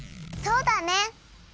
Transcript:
そうだね！